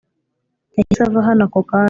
yahise ava hano ako kanya